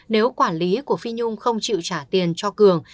nếu quản lý của phi nhung không chịu trả tiền cho cường